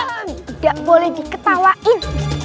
gak boleh diketawain